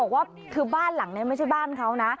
ว่าบ้านหลังไม่ใช่บ้านเขานะ